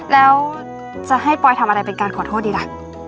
แล้วจะให้ปอยทำอะไรเป็นการขอโทษดีล่ะ